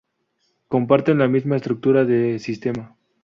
Comparten la misma estructura de sistema.